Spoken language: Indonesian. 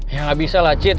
ya gak bisa lah cid